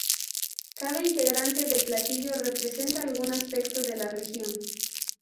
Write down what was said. Cada ingrediente del platillo representa algún aspecto de la región.